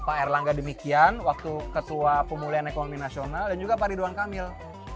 pak erlangga demikian waktu ketua pemulihan ekonomi nasional dan juga pak ridwan kamil